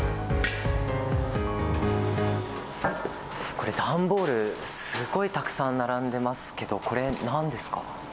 これ、段ボール、すごいたくさん並んでますけど、これ、なんですか？